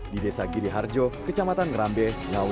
di desa giliharjo kecamatan ngerambe